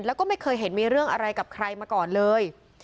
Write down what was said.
แล้วก็ไม่เคยเห็นมีเรื่องอะไรกับใครมาก่อนเลย